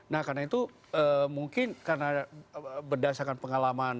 nah karena itu mungkin karena berdasarkan pengalaman